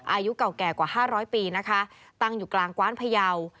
อายุเก่าแก่กว่า๕๐๐ปีนะคะตั้งอยู่กลางกว้านพยาว